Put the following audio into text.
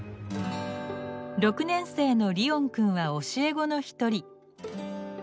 ６年生のリオン君は教え子の一人。